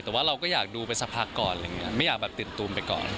แต่ว่าเราก็อยากดูไปสักพักก่อนไม่อยากตื่นตูมไปก่อน